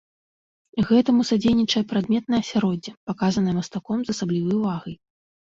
Гэтаму садзейнічае прадметнае асяроддзе, паказанае мастаком з асаблівай увагай.